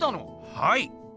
はい。